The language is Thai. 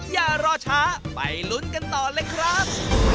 อย่ารอช้าไปลุ้นกันต่อเลยครับ